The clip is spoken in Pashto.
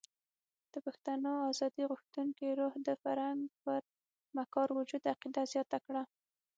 د پښتنو ازادي غوښتونکي روح د فرنګ پر مکار وجود عقیده زیاته کړه.